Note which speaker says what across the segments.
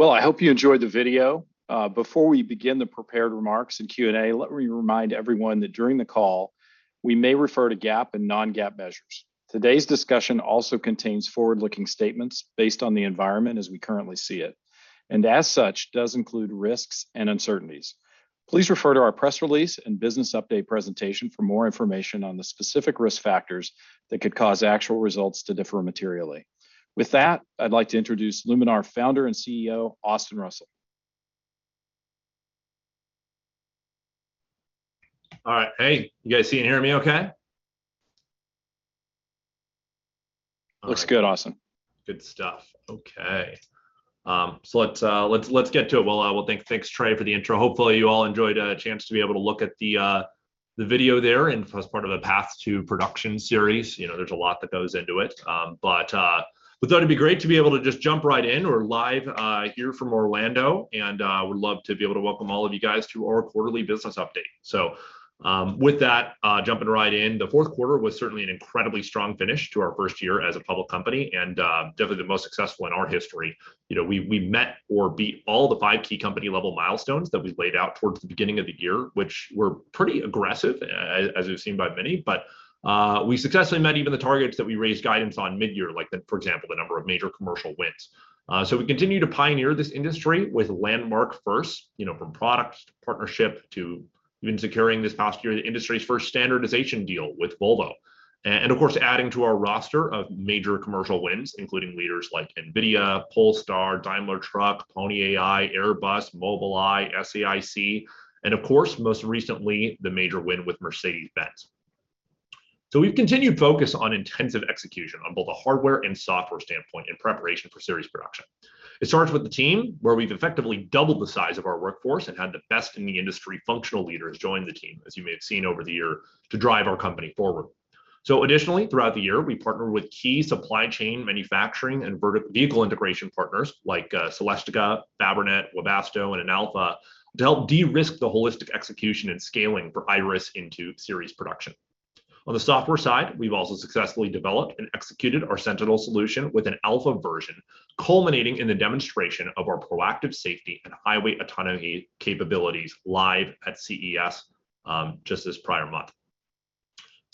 Speaker 1: Well, I hope you enjoyed the video. Before we begin the prepared remarks and Q&A, let me remind everyone that during the call we may refer to GAAP and non-GAAP measures. Today's discussion also contains forward-looking statements based on the environment as we currently see it, and as such, does include risks and uncertainties. Please refer to our press release and business update presentation for more information on the specific risk factors that could cause actual results to differ materially. With that, I'd like to introduce Luminar Founder and CEO, Austin Russell.
Speaker 2: All right. Hey, you guys see and hear me okay?
Speaker 1: Looks good, Austin.
Speaker 2: Good stuff. Okay. Let's get to it. Well, thanks Trey for the intro. Hopefully you all enjoyed a chance to be able to look at the video there and first part of the path to production series. You know, there's a lot that goes into it. We thought it'd be great to be able to just jump right in. We're live here from Orlando, and would love to be able to welcome all of you guys to our quarterly business update. With that, jumping right in, the fourth quarter was certainly an incredibly strong finish to our first year as a public company and definitely the most successful in our history. You know, we met or beat all the five key company level milestones that we laid out towards the beginning of the year, which were pretty aggressive, as it was seen by many. We successfully met even the targets that we raised guidance on midyear, like, for example, the number of major commercial wins. We continue to pioneer this industry with landmark firsts, you know, from product, to partnership, to even securing this past year the industry's first standardization deal with Volvo. Of course adding to our roster of major commercial wins, including leaders like NVIDIA, Polestar, Daimler Truck, Pony.ai, Airbus, Mobileye, SAIC, and of course most recently, the major win with Mercedes-Benz. We've continued focus on intensive execution on both a hardware and software standpoint in preparation for series production. It starts with the team, where we've effectively doubled the size of our workforce and had the best in the industry functional leaders join the team, as you may have seen over the year, to drive our company forward. Additionally, throughout the year we partnered with key supply chain manufacturing and vehicle integration partners like Celestica, Fabrinet, Webasto, and Inalfa to help de-risk the holistic execution and scaling for Iris into series production. On the software side, we've also successfully developed and executed our Sentinel solution with an alpha version, culminating in the demonstration of our proactive safety and Highway Autonomy capabilities live at CES just this prior month.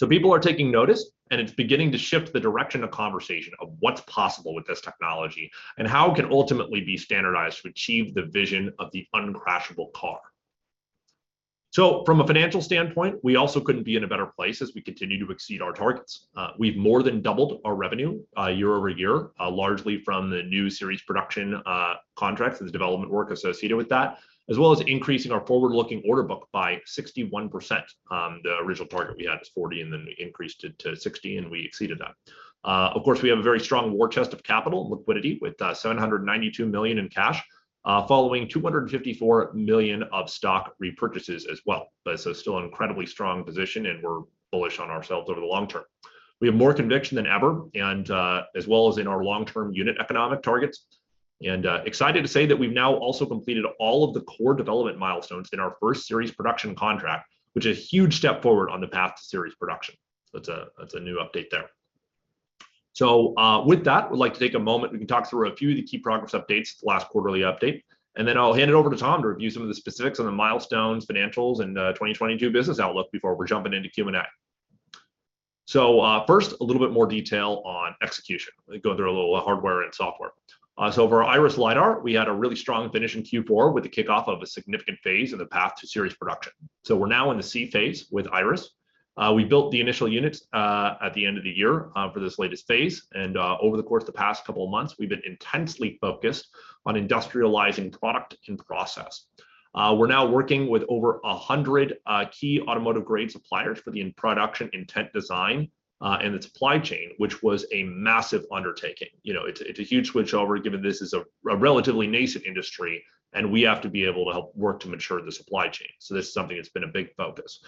Speaker 2: People are taking notice, and it's beginning to shift the direction of conversation of what's possible with this technology and how it can ultimately be standardized to achieve the vision of the uncrashable car. From a financial standpoint, we also couldn't be in a better place as we continue to exceed our targets. We've more than doubled our revenue year-over-year, largely from the new series production contracts and the development work associated with that, as well as increasing our forward-looking order book by 61%. The original target we had was 40, and then we increased it to 60 and we exceeded that. Of course, we have a very strong war chest of capital liquidity with $792 million in cash, following $254 million of stock repurchases as well. That is still an incredibly strong position, and we're bullish on ourselves over the long term. We have more conviction than ever and as well as in our long-term unit economic targets, and excited to say that we've now also completed all of the core development milestones in our first series production contract, which is a huge step forward on the path to series production. That's a new update there. With that, we'd like to take a moment, we can talk through a few of the key progress updates from the last quarterly update, and then I'll hand it over to Tom to review some of the specifics on the milestones, financials, and 2022 business outlook before we jump into Q&A. First a little bit more detail on execution. Go through a little hardware and software. For our Iris LiDAR, we had a really strong finish in Q4 with the kickoff of a significant phase in the path to series production. We're now in the C phase with Iris. We built the initial units at the end of the year for this latest phase. Over the course of the past couple of months, we've been intensely focused on industrializing product and process. We're now working with over 100 key automotive grade suppliers for the production intent design and the supply chain, which was a massive undertaking. You know, it's a huge switchover given this is a relatively nascent industry and we have to be able to help work to mature the supply chain. This is something that's been a big focus.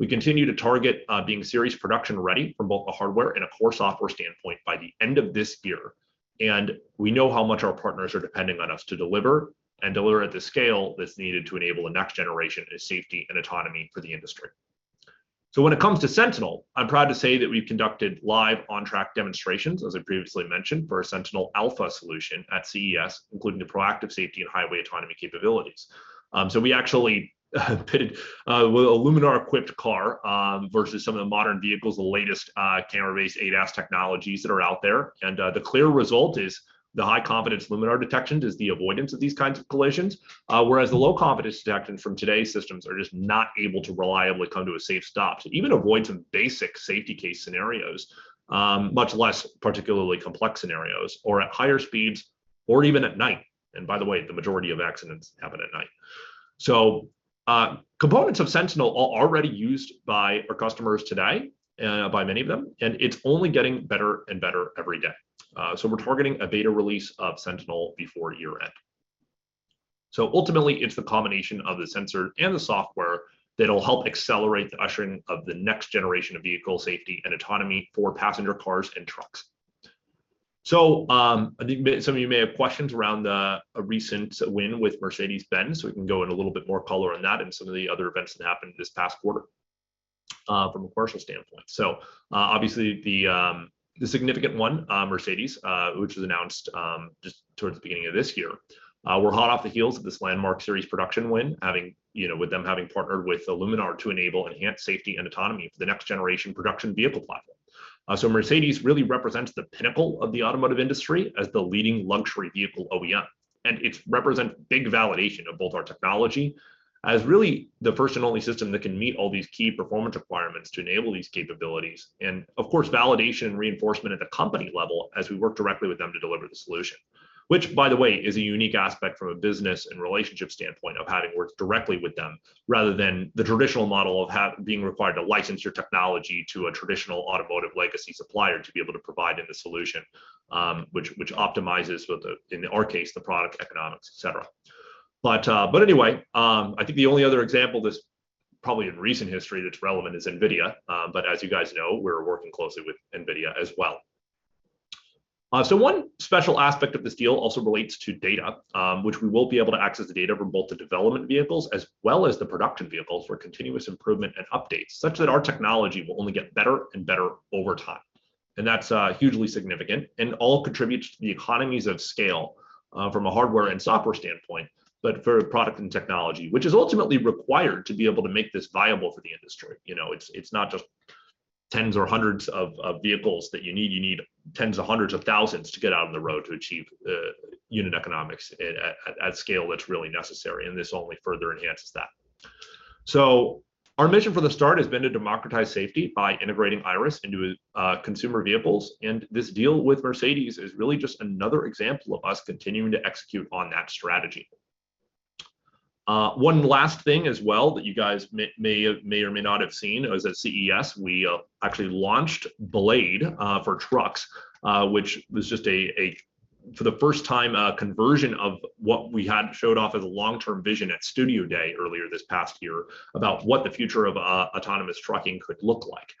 Speaker 2: We continue to target being series production ready from both a hardware and a core software standpoint by the end of this year. We know how much our partners are depending on us to deliver and deliver at the scale that's needed to enable the next generation of safety and autonomy for the industry. When it comes to Sentinel, I'm proud to say that we've conducted live on-track demonstrations, as I previously mentioned, for our Sentinel Alpha solution at CES, including the Proactive Safety and Highway Autonomy capabilities. We actually pitted a Luminar-equipped car versus some of the modern vehicles, the latest camera-based ADAS technologies that are out there. The clear result is the high confidence Luminar detections is the avoidance of these kinds of collisions. Whereas the low confidence detections from today's systems are just not able to reliably come to a safe stop to even avoid some basic safety case scenarios, much less particularly complex scenarios or at higher speeds or even at night. By the way, the majority of accidents happen at night. Components of Sentinel are already used by our customers today, by many of them, and it's only getting better and better every day. We're targeting a beta release of Sentinel before year-end. Ultimately it's the combination of the sensor and the software that'll help accelerate the ushering of the next generation of vehicle safety and autonomy for passenger cars and trucks. I think maybe some of you may have questions around a recent win with Mercedes-Benz, so we can go into a little bit more color on that and some of the other events that happened this past quarter. From a commercial standpoint. Obviously the significant one, Mercedes, which was announced just towards the beginning of this year, we're hot off the heels of this landmark series production win, having, you know, with them having partnered with Luminar to enable enhanced safety and autonomy for the next generation production vehicle platform. Mercedes really represents the pinnacle of the automotive industry as the leading luxury vehicle OEM, and it represents big validation of both our technology as really the first and only system that can meet all these key performance requirements to enable these capabilities, and of course, validation and reinforcement at the company level as we work directly with them to deliver the solution. Which, by the way, is a unique aspect from a business and relationship standpoint of having worked directly with them, rather than the traditional model of being required to license your technology to a traditional automotive legacy supplier to be able to provide the solution, which optimizes for the, in our case, the product economics, et cetera. I think the only other example that's probably in recent history that's relevant is NVIDIA, but as you guys know, we're working closely with NVIDIA as well. One special aspect of this deal also relates to data, which we will be able to access the data from both the development vehicles as well as the production vehicles for continuous improvement and updates, such that our technology will only get better and better over time. That's hugely significant and all contributes to the economies of scale, from a hardware and software standpoint, but for product and technology, which is ultimately required to be able to make this viable for the industry. You know, it's not just tens or hundreds of vehicles that you need. You need tens of hundreds of thousands to get out on the road to achieve the unit economics at scale that's really necessary, and this only further enhances that. Our mission from the start has been to democratize safety by integrating Iris into consumer vehicles, and this deal with Mercedes is really just another example of us continuing to execute on that strategy. One last thing as well that you guys may or may not have seen was at CES, we actually launched Blade for trucks, which was just, for the first time, a conversion of what we had showed off as a long-term vision at Studio Day earlier this past year about what the future of autonomous trucking could look like.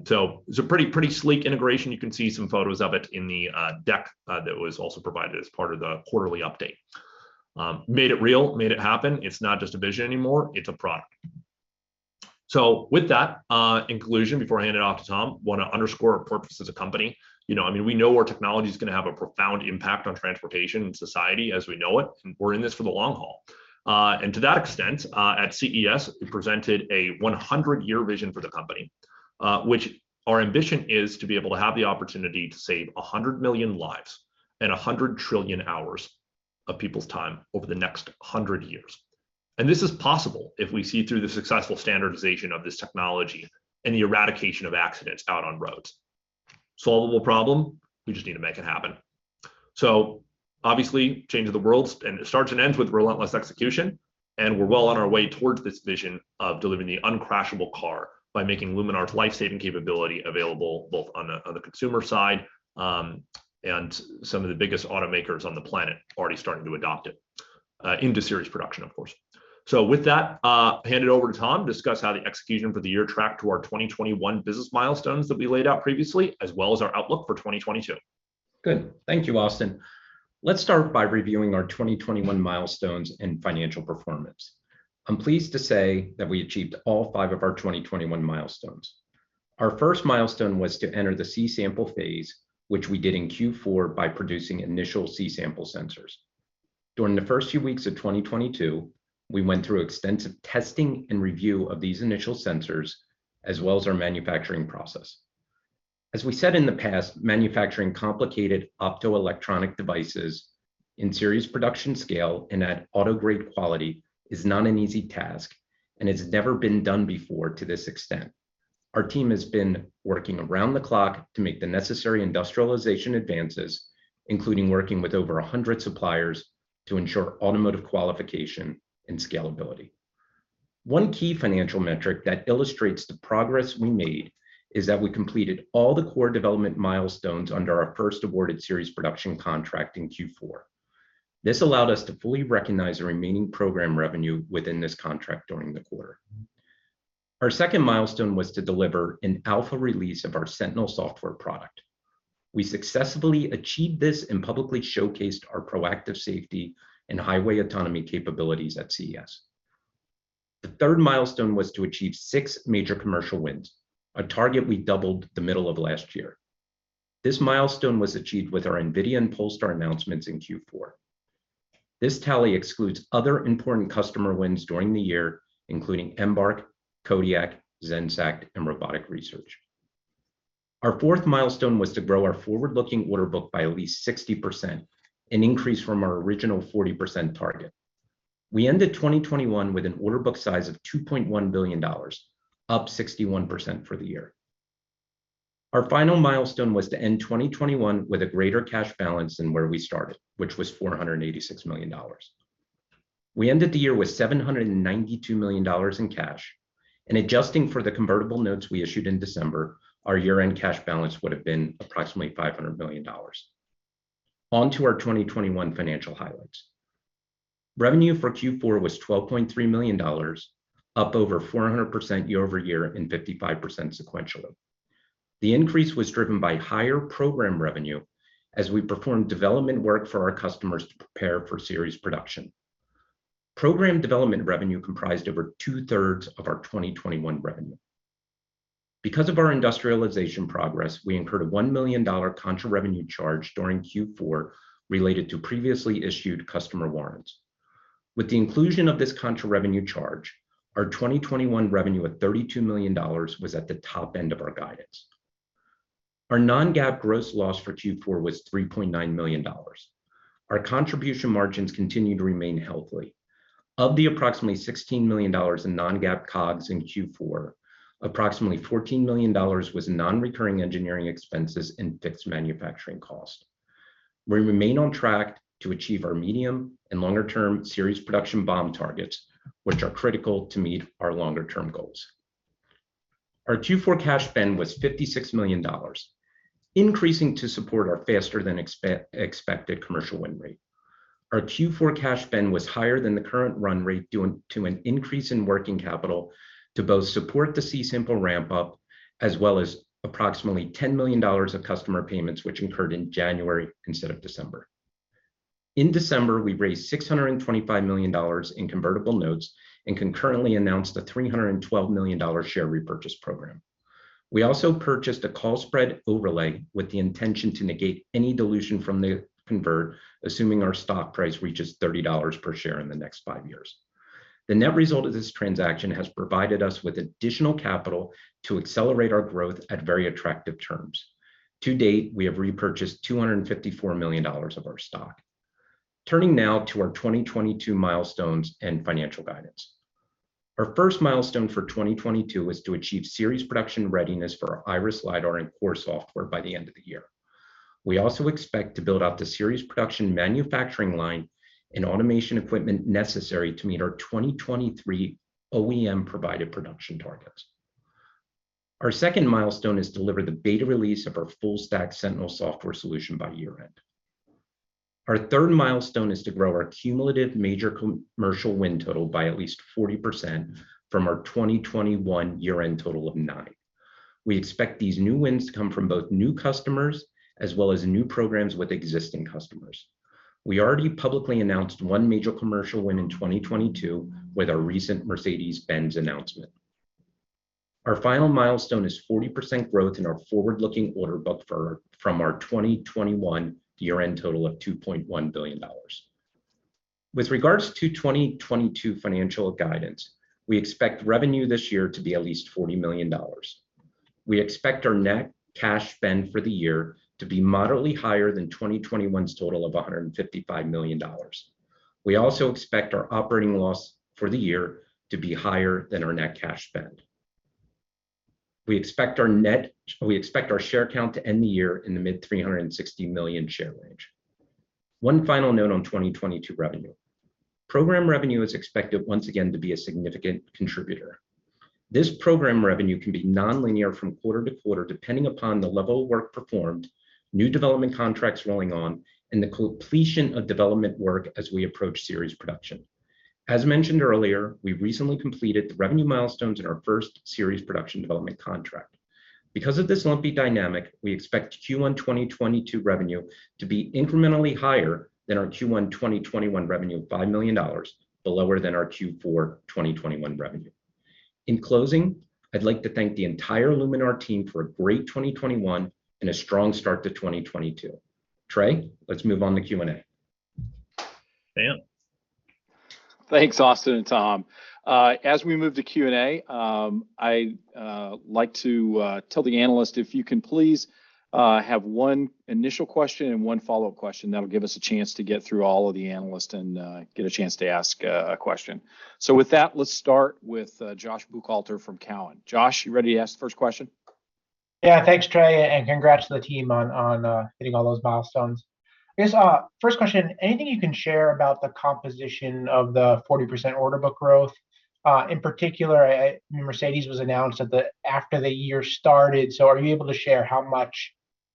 Speaker 2: It's a pretty sleek integration. You can see some photos of it in the deck that was also provided as part of the quarterly update. Made it real, made it happen. It's not just a vision anymore, it's a product. With that inclusion, before I hand it off to Tom, wanna underscore our purpose as a company. You know, I mean, we know our technology is gonna have a profound impact on transportation and society as we know it, and we're in this for the long haul. To that extent, at CES, we presented a 100-year vision for the company, which our ambition is to be able to have the opportunity to save 100 million lives and 100 trillion hours of people's time over the next 100 years. This is possible if we see through the successful standardization of this technology and the eradication of accidents out on roads. Solvable problem, we just need to make it happen. Obviously, change of the world and it starts and ends with relentless execution, and we're well on our way towards this vision of delivering the uncrashable car by making Luminar's life-saving capability available both on the consumer side, and some of the biggest automakers on the planet already starting to adopt it into series production, of course. With that, I'll hand it over to Tom to discuss how the execution for the year tracked to our 2021 business milestones that we laid out previously, as well as our outlook for 2022.
Speaker 3: Good. Thank you, Austin. Let's start by reviewing our 2021 milestones and financial performance. I'm pleased to say that we achieved all five of our 2021 milestones. Our first milestone was to enter the C-sample phase, which we did in Q4 by producing initial C-sample sensors. During the first few weeks of 2022, we went through extensive testing and review of these initial sensors, as well as our manufacturing process. As we said in the past, manufacturing complicated optoelectronic devices in series production scale and at auto grade quality is not an easy task, and it's never been done before to this extent. Our team has been working around the clock to make the necessary industrialization advances, including working with over 100 suppliers to ensure automotive qualification and scalability. One key financial metric that illustrates the progress we made is that we completed all the core development milestones under our first awarded series production contract in Q4. This allowed us to fully recognize the remaining program revenue within this contract during the quarter. Our second milestone was to deliver an alpha release of our Sentinel software product. We successfully achieved this and publicly showcased our Proactive Safety and Highway Autonomy capabilities at CES. The third milestone was to achieve six major commercial wins, a target we doubled the middle of last year. This milestone was achieved with our NVIDIA and Polestar announcements in Q4. This tally excludes other important customer wins during the year, including Embark, Kodiak, Zenseact, and Robotic Research. Our fourth milestone was to grow our forward-looking order book by at least 60%, an increase from our original 40% target. We ended 2021 with an order book size of $2.1 billion, up 61% for the year. Our final milestone was to end 2021 with a greater cash balance than where we started, which was $486 million. We ended the year with $792 million in cash, and adjusting for the convertible notes we issued in December, our year-end cash balance would have been approximately $500 million. On to our 2021 financial highlights. Revenue for Q4 was $12.3 million, up over 400% year over year and 55% sequentially. The increase was driven by higher program revenue as we performed development work for our customers to prepare for series production. Program development revenue comprised over two-thirds of our 2021 revenue. Because of our industrialization progress, we incurred a $1 million contra revenue charge during Q4 related to previously issued customer warrants. With the inclusion of this contra revenue charge, our 2021 revenue of $32 million was at the top end of our guidance. Our non-GAAP gross loss for Q4 was $3.9 million. Our contribution margins continued to remain healthy. Of the approximately $16 million in non-GAAP COGS in Q4, approximately $14 million was non-recurring engineering expenses and fixed manufacturing cost. We remain on track to achieve our medium- and longer-term series production BOM targets, which are critical to meet our longer-term goals. Our Q4 cash spend was $56 million, increasing to support our faster than expected commercial win rate. Our Q4 cash spend was higher than the current run rate due to an increase in working capital to both support the C-sample ramp up as well as approximately $10 million of customer payments which incurred in January instead of December. In December, we raised $625 million in convertible notes and concurrently announced a $312 million share repurchase program. We also purchased a call spread overlay with the intention to negate any dilution from the convert, assuming our stock price reaches $30 per share in the next five years. The net result of this transaction has provided us with additional capital to accelerate our growth at very attractive terms. To date, we have repurchased $254 million of our stock. Turning now to our 2022 milestones and financial guidance. Our first milestone for 2022 was to achieve series production readiness for our Iris LiDAR and core software by the end of the year. We also expect to build out the series production manufacturing line and automation equipment necessary to meet our 2023 OEM provided production targets. Our second milestone is deliver the beta release of our full stack Sentinel software solution by year-end. Our third milestone is to grow our cumulative major co-commercial win total by at least 40% from our 2021 year-end total of nine. We expect these new wins to come from both new customers as well as new programs with existing customers. We already publicly announced one major commercial win in 2022 with our recent Mercedes-Benz announcement. Our final milestone is 40% growth in our forward-looking order book from our 2021 year-end total of $2.1 billion. With regards to 2022 financial guidance, we expect revenue this year to be at least $40 million. We expect our net cash spend for the year to be moderately higher than 2021's total of $155 million. We also expect our operating loss for the year to be higher than our net cash spend. We expect our share count to end the year in the mid-360 million share range. One final note on 2022 revenue. Program revenue is expected once again to be a significant contributor. This program revenue can be nonlinear from quarter to quarter, depending upon the level of work performed, new development contracts rolling on, and the completion of development work as we approach series production. As mentioned earlier, we recently completed the revenue milestones in our first series production development contract. Because of this lumpy dynamic, we expect Q1 2022 revenue to be incrementally higher than our Q1 2021 revenue of $5 million, but lower than our Q4 2021 revenue. In closing, I'd like to thank the entire Luminar team for a great 2021 and a strong start to 2022. Trey, let's move on to Q&A.
Speaker 1: Thanks, Austin and Tom. As we move to Q&A, I like to tell the analyst if you can please have one initial question and one follow-up question. That will give us a chance to get through all of the analysts and get a chance to ask a question. With that, let's start with Joshua Buchalter from Cowen. Josh, you ready to ask the first question?
Speaker 4: Yeah. Thanks, Trey, and congrats to the team on hitting all those milestones. I guess first question, anything you can share about the composition of the 40% order book growth? In particular, I know Mercedes was announced after the year started, so are you able to share how much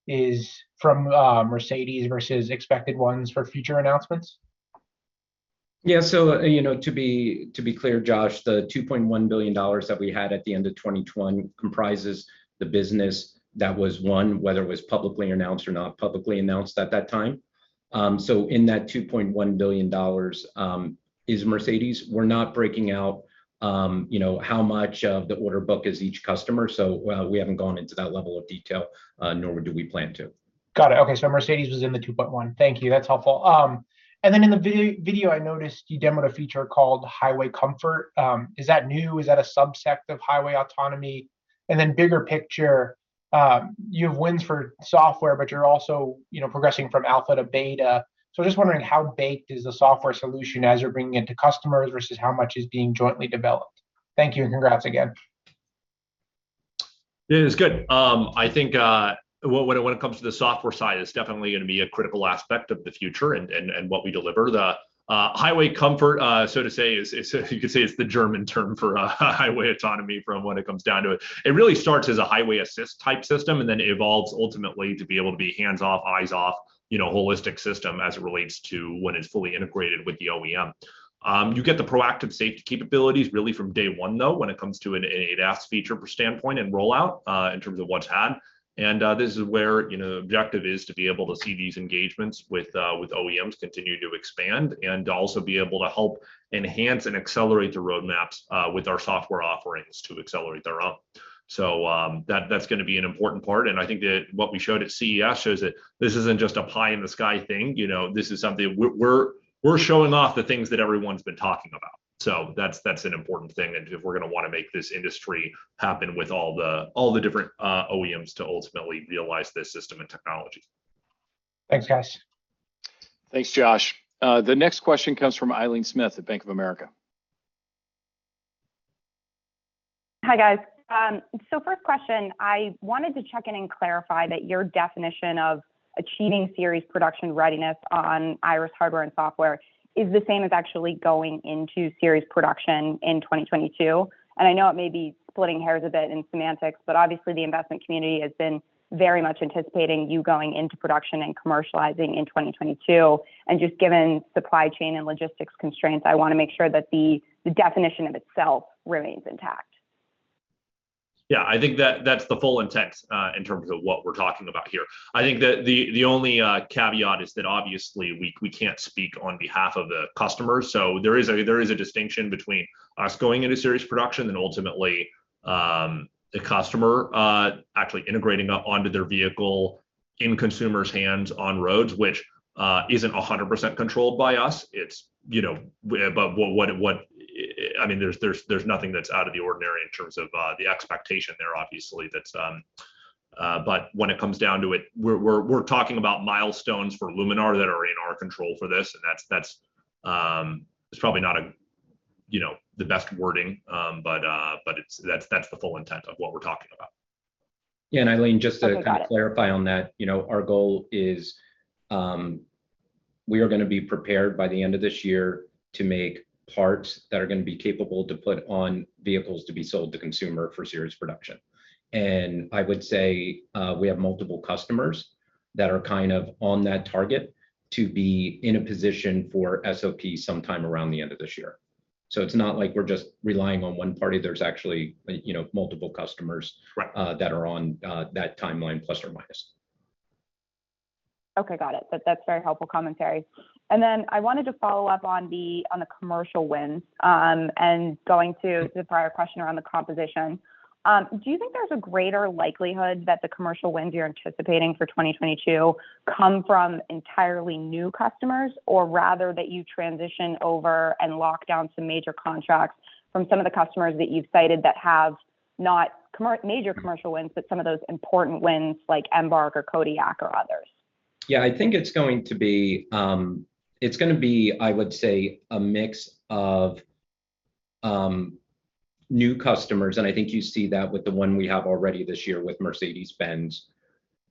Speaker 4: is from Mercedes versus expected wins for future announcements?
Speaker 3: Yeah. To be clear, Josh, the $2.1 billion that we had at the end of 2021 comprises the business that was won, whether it was publicly announced or not publicly announced at that time. In that $2.1 billion is Mercedes-Benz. We're not breaking out, you know, how much of the order book is each customer, so we haven't gone into that level of detail, nor do we plan to.
Speaker 4: Got it. Okay, so Mercedes was in the 2.1. Thank you. That's helpful. In the video, I noticed you demoed a feature called Highway Autonomy. Is that new? Is that a subset of Highway Autonomy? Bigger picture, you have wins for software, but you're also, you know, progressing from alpha to beta. Just wondering how baked is the software solution as you're bringing it to customers versus how much is being jointly developed. Thank you, and congrats again.
Speaker 2: It is good. I think when it comes to the software side, it's definitely gonna be a critical aspect of the future and what we deliver. The Highway Autonomy, so to say, you could say it's the German term for highway autonomy from what it comes down to. It really starts as a highway assist type system, and then it evolves ultimately to be able to be hands-off, eyes-off, you know, holistic system as it relates to when it's fully integrated with the OEM. You get the proactive safety capabilities really from day one, though, when it comes to an ADAS feature standpoint and rollout, in terms of what's ahead. This is where, you know, the objective is to be able to see these engagements with with OEMs continue to expand and also be able to help enhance and accelerate the roadmaps with our software offerings to accelerate their own. That that's gonna be an important part, and I think that what we showed at CES shows that this isn't just a pie in the sky thing. You know, this is something we're showing off the things that everyone's been talking about. That's an important thing if we're gonna wanna make this industry happen with all the all the different OEMs to ultimately realize this system and technology. Thanks, guys.
Speaker 1: Thanks, Josh. The next question comes from Aileen Smith at Bank of America.
Speaker 5: Hi, guys. So first question, I wanted to check in and clarify that your definition of achieving series production readiness on Iris hardware and software is the same as actually going into series production in 2022. I know it may be splitting hairs a bit in semantics, but obviously the investment community has been very much anticipating you going into production and commercializing in 2022. Just given supply chain and logistics constraints, I wanna make sure that the definition of itself remains intact.
Speaker 2: Yeah, I think that's the full intent in terms of what we're talking about here. I think the only caveat is that obviously we can't speak on behalf of the customers. There is a distinction between us going into series production and ultimately the customer actually integrating onto their vehicle in consumers' hands on roads, which isn't 100% controlled by us. It's, you know, I mean, there's nothing that's out of the ordinary in terms of the expectation there obviously that's. When it comes down to it, we're talking about milestones for Luminar that are in our control for this, and that's, it's probably not a, you know, the best wording, but that's the full intent of what we're talking about.
Speaker 3: Yeah. Aileen, just to kind of clarify on that, you know, our goal is, we are gonna be prepared by the end of this year to make parts that are gonna be capable to put on vehicles to be sold to consumer for series production. I would say, we have multiple customers that are kind of on that target to be in a position for SOP sometime around the end of this year. It's not like we're just relying on one party. There's actually, you know, multiple customers-
Speaker 2: Right
Speaker 3: that are on that timeline plus or minus.
Speaker 5: Okay. Got it. That's very helpful commentary. I wanted to follow up on the commercial wins, and going to the prior question around the composition. Do you think there's a greater likelihood that the commercial wins you're anticipating for 2022 come from entirely new customers, or rather that you transition over and lock down some major contracts from some of the customers that you've cited that have not major commercial wins, but some of those important wins like Embark or Kodiak or others?
Speaker 3: Yeah. I think it's going to be a mix of new customers, and I think you see that with the one we have already this year with Mercedes-Benz,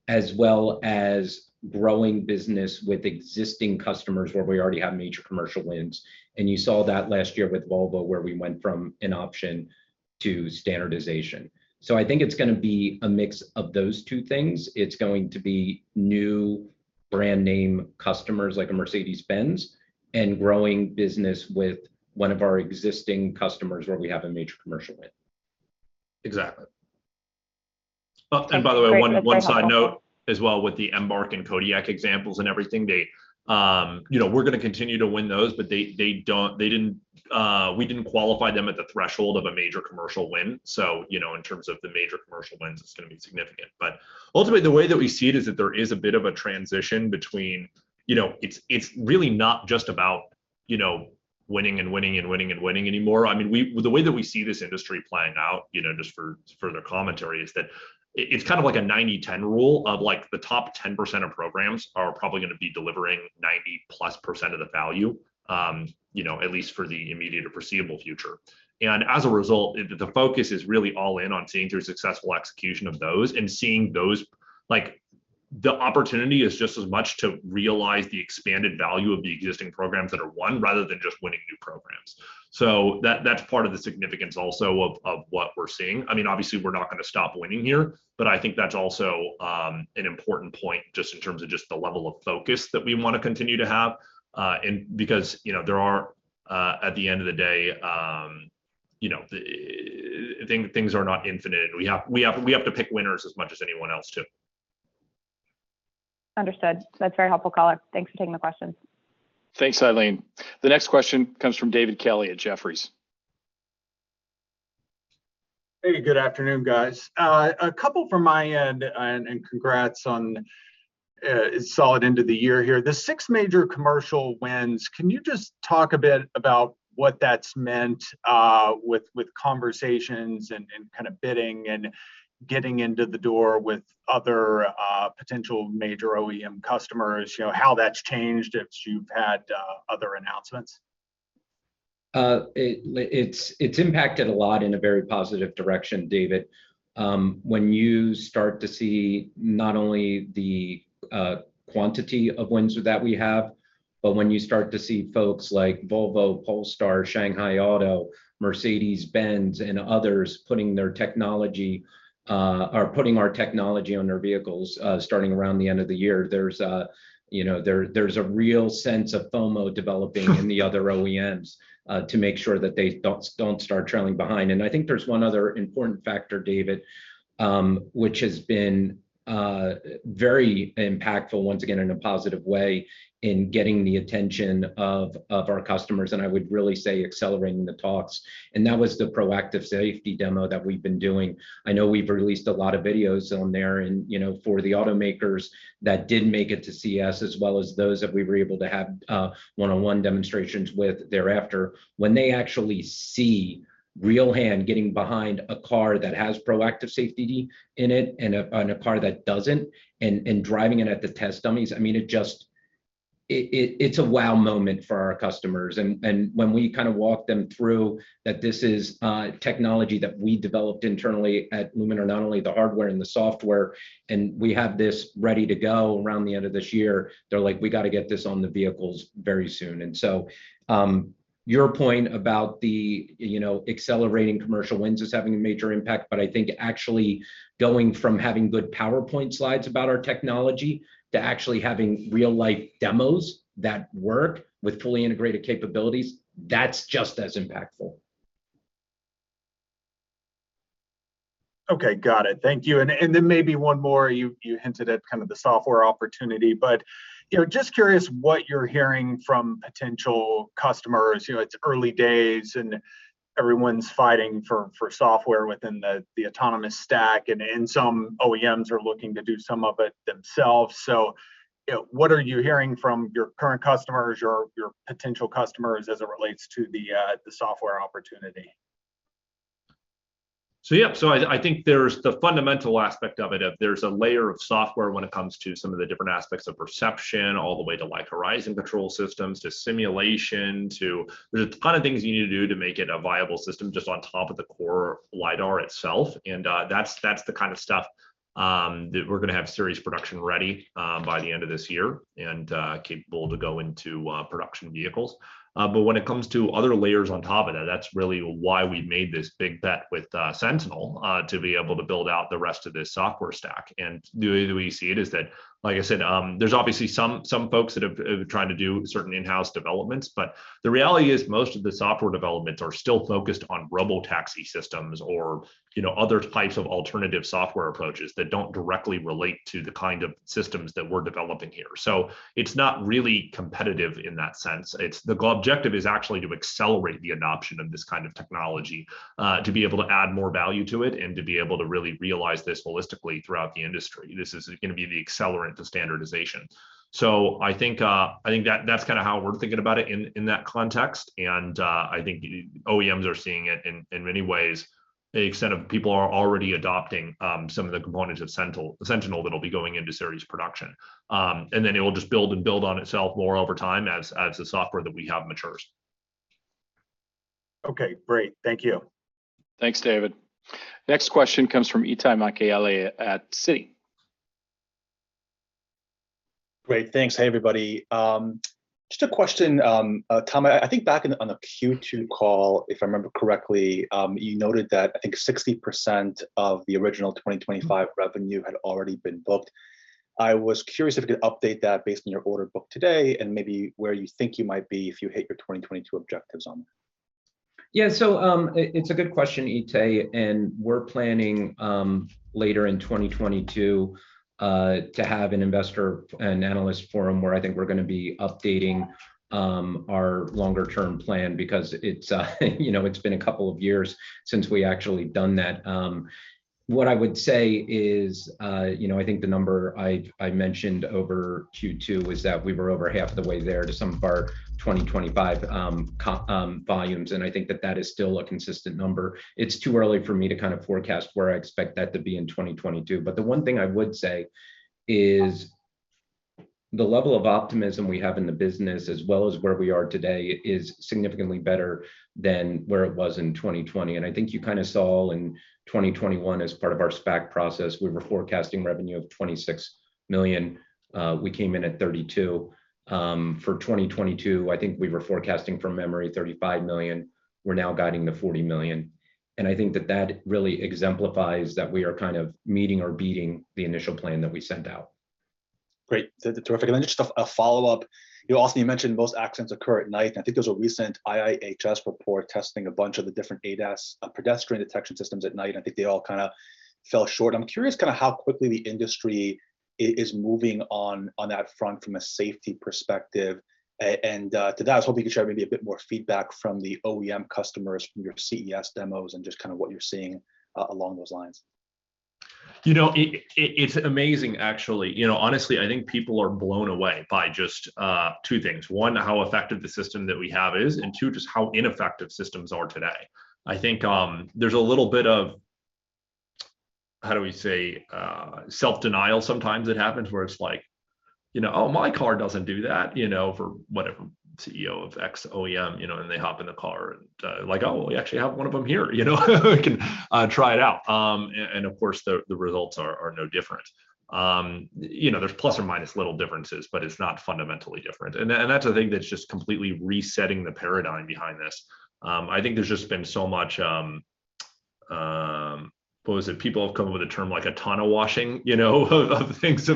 Speaker 3: as well as growing business with existing customers where we already have major commercial wins. You saw that last year with Volvo where we went from an option to standardization. I think it's gonna be a mix of those two things. It's going to be new brand name customers like a Mercedes-Benz and growing business with one of our existing customers where we have a major commercial win.
Speaker 2: Exactly. By the way, one side note as well with the Embark and Kodiak examples and everything, they. You know, we're gonna continue to win those, but they didn't, we didn't qualify them at the threshold of a major commercial win, so, you know, in terms of the major commercial wins it's gonna be significant. Ultimately, the way that we see it is that there is a bit of a transition between, you know, it's really not just about, you know, winning and winning and winning and winning anymore. I mean the way that we see this industry playing out, you know, just for further commentary, is that it's kind of like a 90/10 rule of like the top 10% of programs are probably gonna be delivering 90%+ of the value, you know, at least for the immediate or foreseeable future. As a result, the focus is really all in on seeing through successful execution of those and seeing those. Like, the opportunity is just as much to realize the expanded value of the existing programs that are won, rather than just winning new programs. That's part of the significance also of what we're seeing. I mean, obviously, we're not gonna stop winning here, but I think that's also an important point just in terms of just the level of focus that we wanna continue to have because you know, there are, at the end of the day, you know, things are not infinite and we have to pick winners as much as anyone else too.
Speaker 5: Understood. That's very helpful color. Thanks for taking the question.
Speaker 1: Thanks, Aileen. The next question comes from David Kelley at Jefferies.
Speaker 6: Hey. Good afternoon, guys. A couple from my end, and congrats on a solid end of the year here. The six major commercial wins, can you just talk a bit about what that's meant, with conversations and kind of bidding and getting into the door with other potential major OEM customers, you know, how that's changed as you've had other announcements?
Speaker 3: It's impacted a lot in a very positive direction, David. When you start to see not only the quantity of wins that we have, but when you start to see folks like Volvo, Polestar, Shanghai Auto, Mercedes-Benz and others putting their technology or putting our technology on their vehicles starting around the end of the year, there's, you know, a real sense of FOMO developing in the other OEMs to make sure that they don't start trailing behind. I think there's one other important factor, David, which has been very impactful, once again, in a positive way in getting the attention of our customers, and I would really say accelerating the talks, and that was the proactive safety demo that we've been doing. I know we've released a lot of videos on there and, you know, for the automakers that didn't make it to CES, as well as those that we were able to have one-on-one demonstrations with thereafter. When they actually see real human getting behind a car that has Proactive Safety in it and a car that doesn't and driving it at the test dummies, I mean, it just, it's a wow moment for our customers. When we kind of walk them through that this is technology that we developed internally at Luminar, not only the hardware and the software, and we have this ready to go around the end of this year, they're like, "We gotta get this on the vehicles very soon." Your point about the, you know, accelerating commercial wins is having a major impact. I think actually going from having good PowerPoint slides about our technology to actually having real-life demos that work with fully integrated capabilities, that's just as impactful.
Speaker 6: Okay. Got it. Thank you. Maybe one more. You hinted at kind of the software opportunity, but you know, just curious what you're hearing from potential customers. You know, it's early days, and everyone's fighting for software within the autonomous stack. Some OEMs are looking to do some of it themselves. You know, what are you hearing from your current customers, your potential customers as it relates to the software opportunity?
Speaker 2: Yep. I think there's the fundamental aspect of it. There's a layer of software when it comes to some of the different aspects of perception, all the way to like horizon control systems, to simulation. There's a ton of things you need to do to make it a viable system just on top of the core LiDAR itself, and that's the kind of stuff that we're gonna have series production ready by the end of this year, and capable to go into production vehicles. But when it comes to other layers on top of that's really why we made this big bet with Sentinel to be able to build out the rest of this software stack. The way we see it is that, like I said, there's obviously some folks that have tried to do certain in-house developments, but the reality is most of the software developments are still focused on robo taxi systems or, you know, other types of alternative software approaches that don't directly relate to the kind of systems that we're developing here. It's not really competitive in that sense. It's the objective is actually to accelerate the adoption of this kind of technology, to be able to add more value to it and to be able to really realize this holistically throughout the industry. This is gonna be the accelerant to standardization. I think that that's kinda how we're thinking about it in that context. I think OEMs are seeing it in many ways. To the extent that people are already adopting some of the components of Sentinel that'll be going into series production. It will just build and build on itself more over time as the software that we have matures.
Speaker 6: Okay. Great. Thank you.
Speaker 1: Thanks, David. Next question comes from Itay Michaeli at Citi.
Speaker 7: Great. Thanks. Hey, everybody. Just a question, Tom. I think back in, on the Q2 call, if I remember correctly, you noted that I think 60% of the original 2025 revenue had already been booked. I was curious if you could update that based on your order book today, and maybe where you think you might be if you hit your 2022 objectives on that.
Speaker 3: Yeah. It's a good question, Itay. We're planning later in 2022 to have an investor and analyst forum where I think we're gonna be updating our longer term plan because it's you know, it's been a couple of years since we actually done that. What I would say is you know, I think the number I mentioned over Q2 was that we were over half the way there to some of our 2025 volumes, and I think that is still a consistent number. It's too early for me to kind of forecast where I expect that to be in 2022. The one thing I would say is the level of optimism we have in the business as well as where we are today is significantly better than where it was in 2020. I think you kind of saw in 2021 as part of our SPAC process, we were forecasting revenue of $26 million. We came in at $32 million. For 2022, I think we were forecasting from memory $35 million. We're now guiding to $40 million. I think that that really exemplifies that we are kind of meeting or beating the initial plan that we sent out.
Speaker 7: Great. Terrific. Just a follow-up. You know, Austin, you mentioned most accidents occur at night, and I think there's a recent IIHS report testing a bunch of the different ADAS pedestrian detection systems at night, and I think they all kind of fell short. I'm curious kind of how quickly the industry is moving on that front from a safety perspective. To that, I was hoping you could share maybe a bit more feedback from the OEM customers from your CES demos and just kind of what you're seeing along those lines.
Speaker 2: You know, it's amazing actually. You know, honestly, I think people are blown away by just two things. One, how effective the system that we have is, and two, just how ineffective systems are today. I think, there's a little bit of, how do we say, self-denial sometimes that happens, where it's like, you know, "Oh, my car doesn't do that," you know, for whatever CEO of X OEM, you know, and they hop in the car and, like, "Oh, we actually have one of them here, you know? We can try it out." Of course, the results are no different. You know, there's plus or minus little differences, but it's not fundamentally different. That's a thing that's just completely resetting the paradigm behind this. I think there's just been so much, what was it? People have come up with a term, like [a ton of] washing, you know, of the things,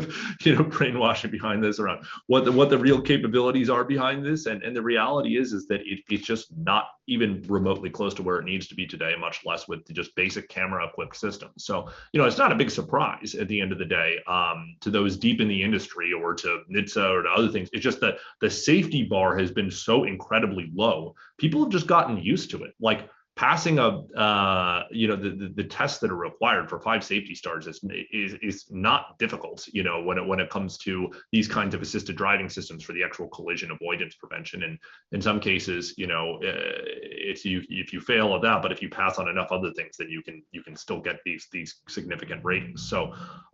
Speaker 2: you know, brainwashing behind this around what the real capabilities are behind this. The reality is that it's just not even remotely close to where it needs to be today, much less with the just basic camera-equipped system. You know, it's not a big surprise at the end of the day to those deep in the industry or to NHTSA or to other things. It's just that the safety bar has been so incredibly low. People have just gotten used to it. Like, passing, you know, the tests that are required for five safety stars is not difficult, you know, when it comes to these kinds of assisted driving systems for the actual collision avoidance prevention. In some cases, you know, if you fail at that, but if you pass on enough other things, then you can still get these significant ratings.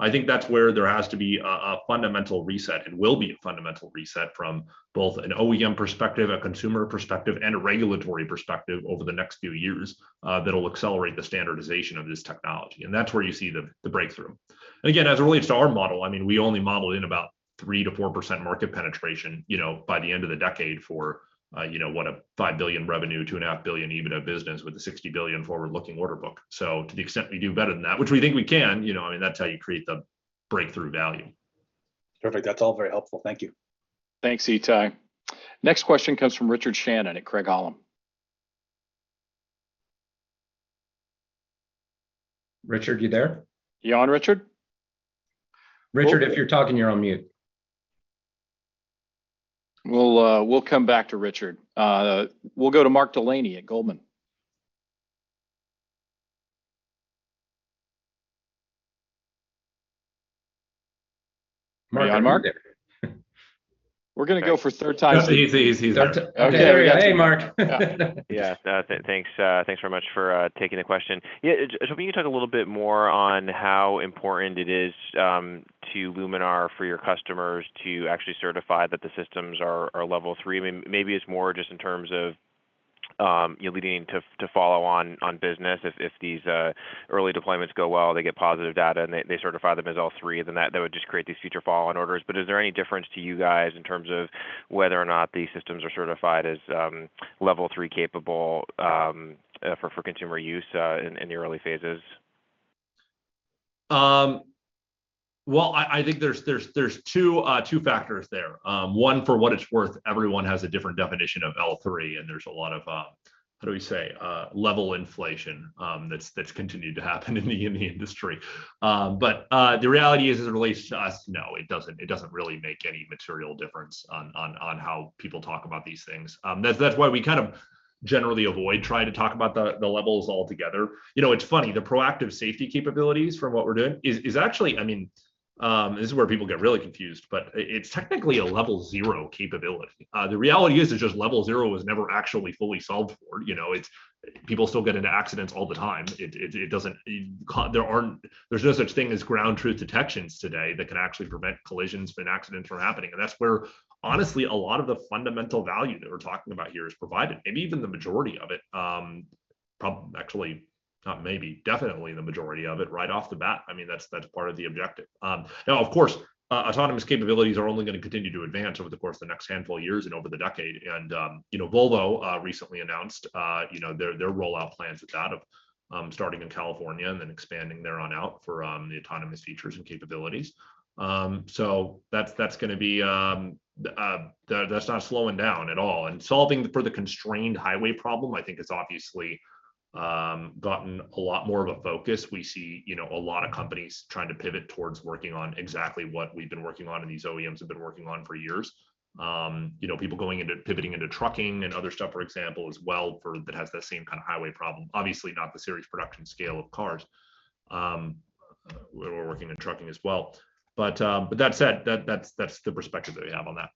Speaker 2: I think that's where there has to be a fundamental reset and will be a fundamental reset from both an OEM perspective, a consumer perspective, and a regulatory perspective over the next few years, that'll accelerate the standardization of this technology, and that's where you see the breakthrough. Again, as it relates to our model, I mean, we only modeled in about 3%-4% market penetration, you know, by the end of the decade for, you know, what a $5 billion revenue, $2.5 billion EBITDA business with a $60 billion forward-looking order book. To the extent we do better than that, which we think we can, you know, I mean, that's how you create the breakthrough value.
Speaker 7: Perfect. That's all very helpful. Thank you.
Speaker 1: Thanks, Itay. Next question comes from Richard Shannon at Craig-Hallum.
Speaker 3: Richard, you there?
Speaker 2: You on, Richard?
Speaker 1: Richard, if you're talking, you're on mute. We'll come back to Richard. We'll go to Mark Delaney at Goldman.
Speaker 2: Mark, you on, Mark?
Speaker 1: We're gonna go for a third time.
Speaker 2: He's there.
Speaker 1: Okay. Hey, Mark.
Speaker 8: Yeah. Thanks very much for taking the question. So can you talk a little bit more on how important it is to Luminar for your customers to actually certify that the systems are level three? Maybe it's more just in terms of follow-on business if these early deployments go well, they get positive data, and they certify them as level three, then that would just create these future follow-on orders. But is there any difference to you guys in terms of whether or not these systems are certified as level three capable for consumer use in the early phases?
Speaker 2: Well, I think there's two factors there. One, for what it's worth, everyone has a different definition of L3, and there's a lot of level inflation that's continued to happen in the industry. The reality is, as it relates to us, no, it doesn't really make any material difference on how people talk about these things. That's why we kind of generally avoid trying to talk about the levels altogether. You know, it's funny, the proactive safety capabilities from what we're doing is actually. I mean, this is where people get really confused, but it's technically a level zero capability. The reality is just level zero was never actually fully solved for, you know? People still get into accidents all the time. There's no such thing as ground truth detections today that can actually prevent collisions and accidents from happening. That's where, honestly, a lot of the fundamental value that we're talking about here is provided, maybe even the majority of it. Actually, not maybe, definitely the majority of it right off the bat. I mean, that's part of the objective. Now, of course, autonomous capabilities are only gonna continue to advance over the course of the next handful of years and over the decade. You know, Volvo recently announced, you know, their rollout plans with that of starting in California and then expanding thereon out for the autonomous features and capabilities. That's not slowing down at all. Solving for the constrained highway problem I think has obviously gotten a lot more of a focus. We see, you know, a lot of companies trying to pivot towards working on exactly what we've been working on and these OEMs have been working on for years. You know, people pivoting into trucking and other stuff, for example, as well, that has that same kind of highway problem. Obviously not the series production scale of cars, but we're working in trucking as well. That said, that's the perspective that we have on that.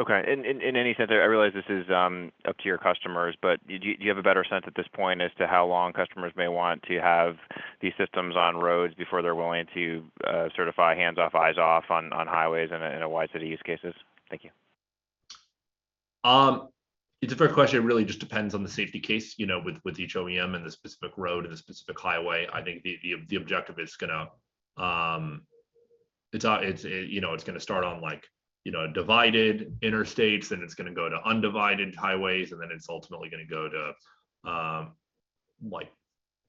Speaker 9: Okay. In any sense, I realize this is up to your customers, but do you have a better sense at this point as to how long customers may want to have these systems on roads before they're willing to certify hands off, eyes off on highways in a wide set of use cases? Thank you.
Speaker 2: It's a fair question. It really just depends on the safety case, you know, with each OEM and the specific road and the specific highway. I think the objective is gonna start on like, you know, divided interstates, then it's gonna go to undivided highways, and then it's ultimately gonna go to like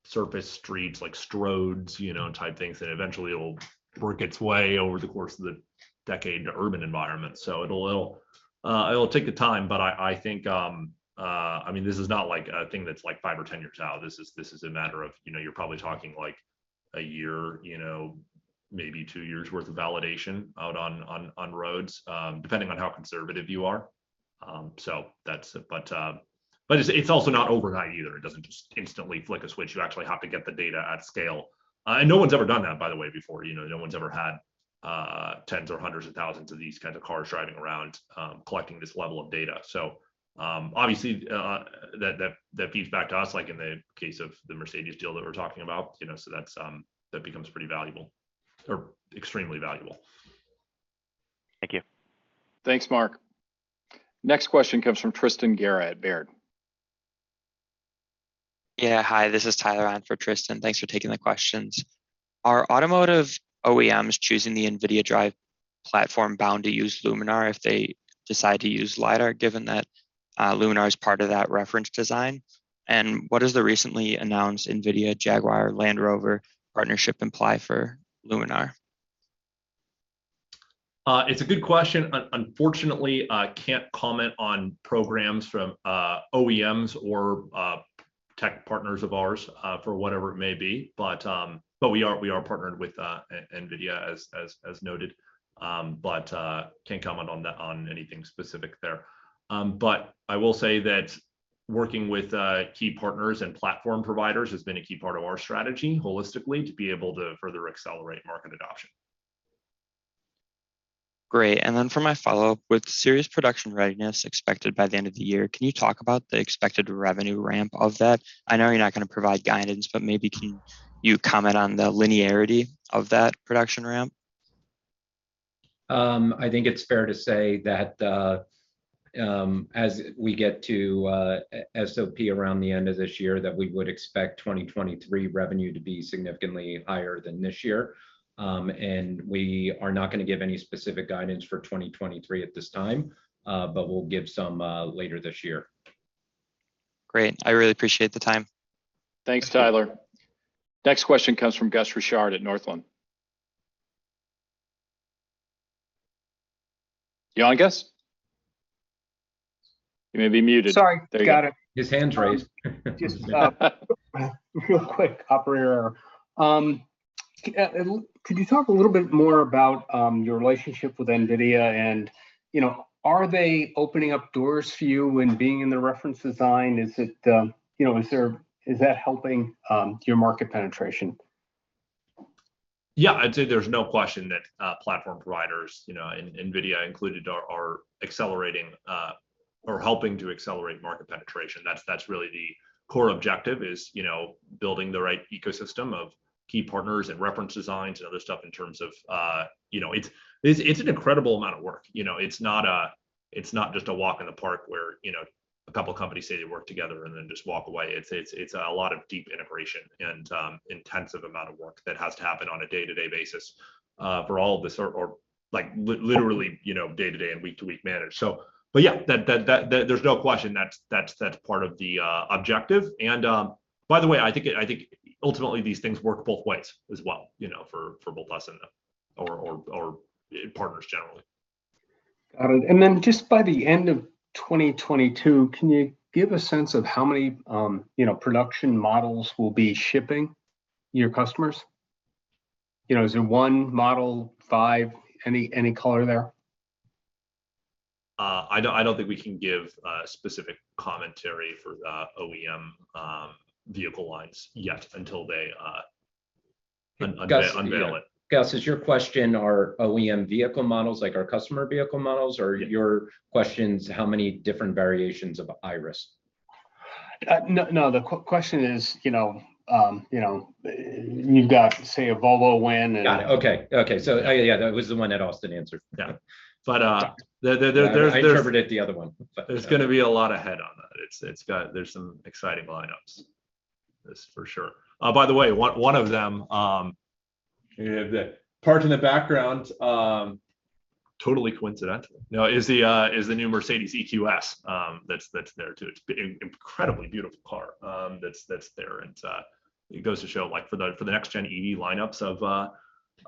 Speaker 2: surface streets, like stroads, you know, type things. Eventually it'll work its way over the course of the decade to urban environments. It'll take the time, but I think, I mean, this is not like a thing that's like five or 10 years out. This is a matter of, you know, you're probably talking, like, a year, you know, maybe two years' worth of validation out on roads, depending on how conservative you are. That's it. It's also not overnight either. It doesn't just instantly flick a switch. You actually have to get the data at scale. No one's ever done that, by the way, before, you know? No one's ever had tens or hundreds of thousands of these kinds of cars driving around, collecting this level of data. Obviously, that feeds back to us, like in the case of the Mercedes-Benz deal that we're talking about, you know, that becomes pretty valuable or extremely valuable.
Speaker 9: Thank you.
Speaker 1: Thanks, Mark. Next question comes from Tristan Gerra at Baird.
Speaker 10: Yeah, hi, this is Tyler on for Tristan. Thanks for taking the questions. Are automotive OEMs choosing the NVIDIA DRIVE platform bound to use Luminar if they decide to use lidar, given that Luminar is part of that reference design? What does the recently announced NVIDIA Jaguar Land Rover partnership imply for Luminar?
Speaker 2: It's a good question. Unfortunately, I can't comment on programs from OEMs or tech partners of ours for whatever it may be. We are partnered with NVIDIA, as noted. Can't comment on that, on anything specific there. I will say that working with key partners and platform providers has been a key part of our strategy holistically to be able to further accelerate market adoption.
Speaker 10: Great, and then for my follow-up, with serious production readiness expected by the end of the year, can you talk about the expected revenue ramp of that? I know you're not gonna provide guidance, but maybe can you comment on the linearity of that production ramp?
Speaker 3: I think it's fair to say that, as we get to SOP around the end of this year, that we would expect 2023 revenue to be significantly higher than this year. We are not gonna give any specific guidance for 2023 at this time, but we'll give some later this year.
Speaker 10: Great. I really appreciate the time.
Speaker 1: Thanks, Tyler. Next question comes from Gus Richard at Northland. You on, Gus? You may be muted.
Speaker 11: Sorry. Got it.
Speaker 3: There you go. His hand's raised.
Speaker 11: Just, real quick, operator error. Could you talk a little bit more about your relationship with NVIDIA and, you know, are they opening up doors for you in being in the reference design? Is it, you know, is that helping your market penetration?
Speaker 2: Yeah. I'd say there's no question that platform providers, you know, and NVIDIA included, are accelerating or helping to accelerate market penetration. That's really the core objective is, you know, building the right ecosystem of key partners and reference designs and other stuff in terms of, you know, it's an incredible amount of work. You know, it's not just a walk in the park where, you know, a couple companies say they work together and then just walk away. It's a lot of deep integration and intensive amount of work that has to happen on a day-to-day basis for all this or literally, you know, day-to-day and week-to-week managed. But yeah, there's no question that's part of the objective. By the way, I think ultimately these things work both ways as well, you know, for both us and them or partners generally.
Speaker 11: Got it. Just by the end of 2022, can you give a sense of how many, you know, production models will be shipping your customers? You know, is it one model, five? Any color there?
Speaker 2: I don't think we can give specific commentary for the OEM vehicle lines yet until they unveil it.
Speaker 3: Gus, is your question our OEM vehicle models like our customer vehicle models or your question's how many different variations of Iris?
Speaker 11: No. The question is, you know, you know, you've got, say, a Volvo win.
Speaker 3: Got it. Okay. Okay. Yeah, that was the one that Austin answered. Yeah. I interpreted the other one.
Speaker 2: There's gonna be a lot ahead on that. It's got some exciting lineups. That's for sure. By the way, one of them you have parked in the background, totally coincidental, you know, is the new Mercedes-Benz EQS. That's there too. It's an incredibly beautiful car. That's there. It goes to show like for the next gen ED lineups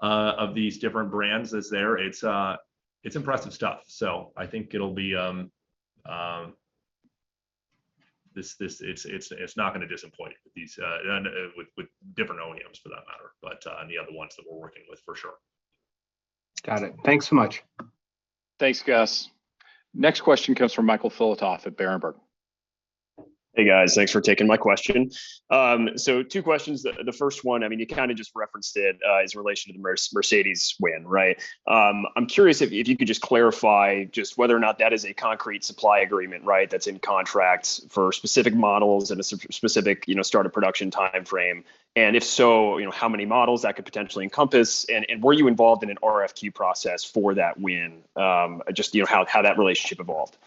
Speaker 2: of these different brands that's there. It's impressive stuff. I think it'll be this. It's not gonna disappoint these and with different OEMs for that matter, but on the other ones that we're working with for sure.
Speaker 11: Got it. Thanks so much.
Speaker 1: Thanks, Gus. Next question comes from Michael Filatov at Berenberg.
Speaker 12: Hey, guys. Thanks for taking my question. So two questions. The first one, I mean, you kinda just referenced it, is in relation to the Mercedes win, right? I'm curious if you could just clarify whether or not that is a concrete supply agreement, right? That's in contracts for specific models and a specific, you know, start of production timeframe. And if so, you know, how many models that could potentially encompass, and were you involved in an RFQ process for that win? Just, you know, how that relationship evolved.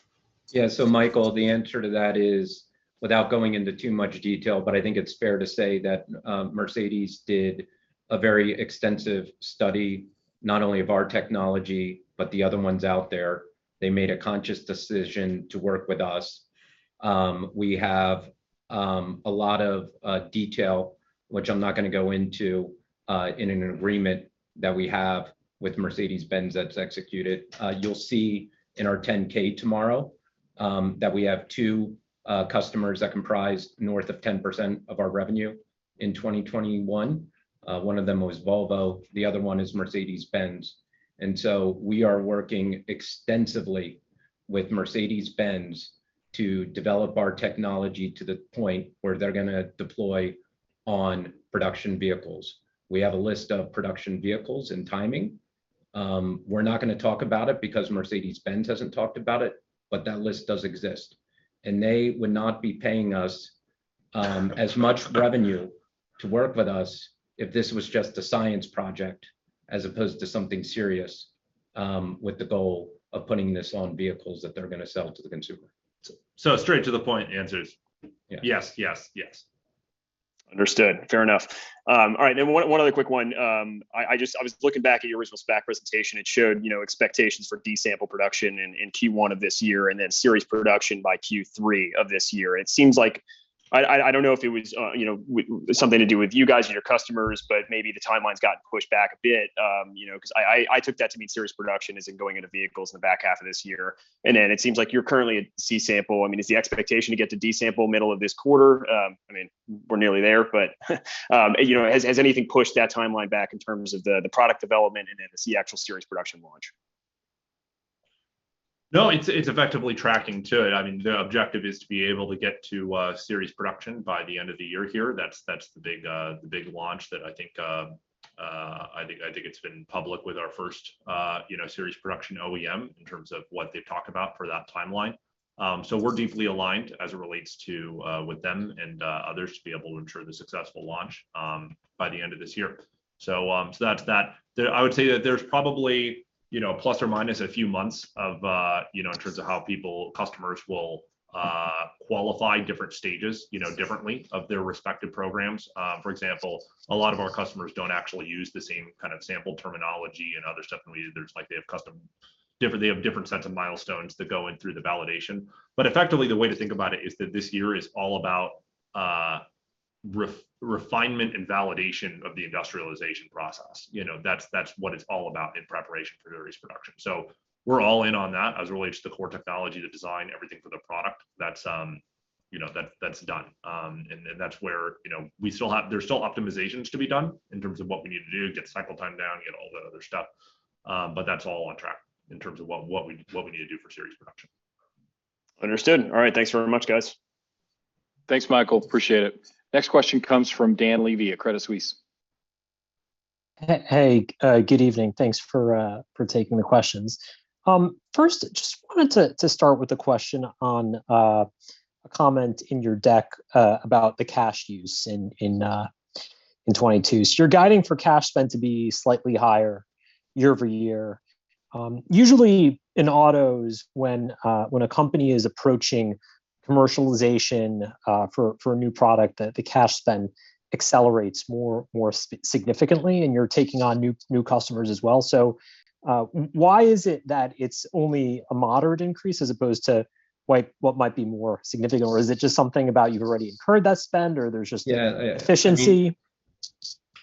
Speaker 3: Yeah. Michael, the answer to that is, without going into too much detail, but I think it's fair to say that, Mercedes-Benz did a very extensive study, not only of our technology, but the other ones out there. They made a conscious decision to work with us. We have a lot of detail, which I'm not gonna go into, in an agreement that we have with Mercedes-Benz that's executed. You'll see in our 10-K tomorrow, that we have two customers that comprise north of 10% of our revenue in 2021. One of them was Volvo, the other one is Mercedes-Benz. We are working extensively with Mercedes-Benz to develop our technology to the point where they're gonna deploy on production vehicles. We have a list of production vehicles and timing. We're not gonna talk about it because Mercedes-Benz hasn't talked about it, but that list does exist, and they would not be paying us as much revenue to work with us if this was just a science project as opposed to something serious with the goal of putting this on vehicles that they're gonna sell to the consumer.
Speaker 12: Straight to the point answers.
Speaker 3: Yeah. Yes, yes.
Speaker 12: Understood. Fair enough. All right, and one other quick one. I just was looking back at your original spec presentation. It showed, you know, expectations for D-sample production in Q1 of this year, and then series production by Q3 of this year. It seems like I don't know if it was, you know, something to do with you guys and your customers, but maybe the timeline's gotten pushed back a bit. You know, 'cause I took that to mean series production as in going into vehicles in the back half of this year. It seems like you're currently at C-sample. I mean, is the expectation to get to D-sample middle of this quarter? I mean, we're nearly there, but, you know, has anything pushed that timeline back in terms of the product development and then to see actual series production launch?
Speaker 2: No, it's effectively tracking to it. I mean, the objective is to be able to get to series production by the end of the year here. That's the big launch that I think it's been public with our first, you know, series production OEM in terms of what they've talked about for that timeline. So we're deeply aligned as it relates to them and others to be able to ensure the successful launch by the end of this year. So that's that. I would say that there's probably, you know, plus or minus a few months of, you know, in terms of how people, customers will qualify different stages, you know, differently of their respective programs. For example, a lot of our customers don't actually use the same kind of sample terminology and other stuff. They have different sets of milestones that go in through the validation. Effectively, the way to think about it is that this year is all about refinement and validation of the industrialization process. You know, that's what it's all about in preparation for the series production. We're all in on that as it relates to the core technology to design everything for the product. That's, you know, that's done. That's where, you know, we still have optimizations to be done in terms of what we need to do to get cycle time down, get all that other stuff. That's all on track in terms of what we need to do for series production.
Speaker 12: Understood. All right. Thanks very much, guys.
Speaker 1: Thanks, Michael. Appreciate it. Next question comes from Dan Levy at Credit Suisse.
Speaker 13: Hey, good evening. Thanks for taking the questions. First, just wanted to start with a question on a comment in your deck about the cash use in 2022. You're guiding for cash spend to be slightly higher year-over-year. Usually in autos when a company is approaching commercialization for a new product that the cash spend accelerates more significantly and you're taking on new customers as well. Why is it that it's only a moderate increase as opposed to what might be more significant? Or is it just something about you've already incurred that spend or there's just
Speaker 3: Yeah.
Speaker 13: efficiency?